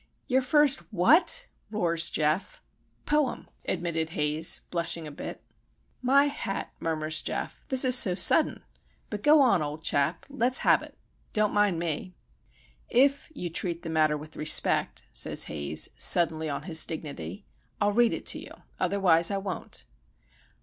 "Your first What?" roars Geof. "Poem," admitted Haze, blushing a bit. "My hat!" murmurs Geof. "This is so sudden! But go on, old chap. Let's have it,—don't mind me." "If you treat the matter with respect," says Haze, suddenly on his dignity, "I'll read it to you. Otherwise I won't."